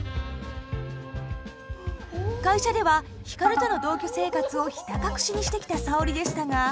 会社では光との同居生活をひた隠しにしてきた沙織でしたが。